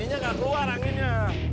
ininya gak keluar anginnya